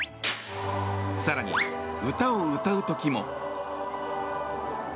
更に歌を歌う時も。